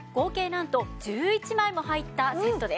なんと１１枚も入ったセットです。